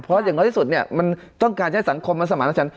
เพราะอย่างน้อยที่สุดเนี่ยมันต้องการให้สังคมมันสมารถฉัน